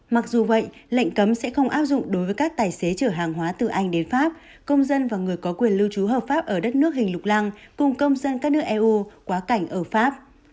mặc dù vậy lệnh cấm sẽ không áp dụng đối với các tài xế chở hàng hóa từ anh đến pháp công dân và người có quyền lưu trú hợp pháp ở đất nước hình lục lăng cùng công dân các nước eu quá cảnh ở pháp